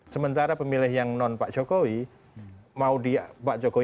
sementara pemilih yang non pak jokowi mau pak jokowi ngapain pun selalu dipercaya